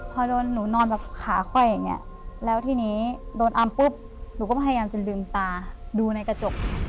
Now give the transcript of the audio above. พอโดนหนูนอนแบบขาค่อยอย่างนี้แล้วทีนี้โดนอำปุ๊บหนูก็พยายามจะลืมตาดูในกระจก